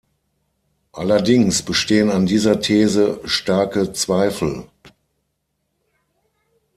Allerdings bestehen an dieser These starke Zweifel.